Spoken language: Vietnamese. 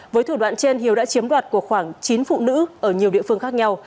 với thủ đoạn trên hiếu đã chiếm đoạt của khoảng chín phụ nữ ở nhiều địa phương khác nhau